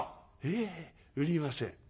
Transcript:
「いえ売りません」。